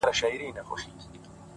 فکر روښانه وي نو پرېکړه ساده کېږي.!